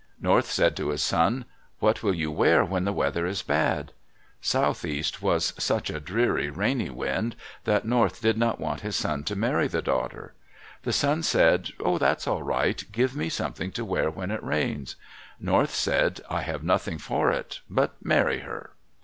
North said to his son, "What will you wear when the weather is bad?" Southeast was such a dreary, rainy wind that North did not want his son to marry the daughter. The son said, "Oh, that's all right. Give me something to wear when it rains." North said, "I have nothing for it. But marry her."